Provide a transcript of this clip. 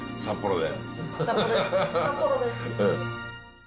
札幌で。